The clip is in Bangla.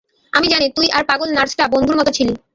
আমি জানি তুই আর পাগল নার্সটা বন্ধুর মতো ছিলি।